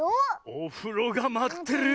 「おふろがまってるよ」。